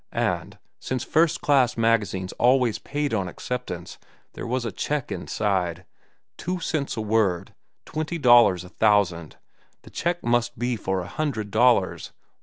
And, since first class magazines always paid on acceptance, there was a check inside. Two cents a word—twenty dollars a thousand; the check must be a hundred dollars.